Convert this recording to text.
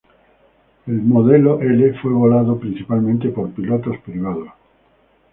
El "Model L" fue volado principalmente por pilotos privados.